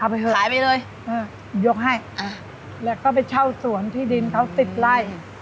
เอาไปเถอะขายไปเลยอืมยกให้อ่ะแล้วก็ไปเช่าสวนที่ดินเขาสิบไล่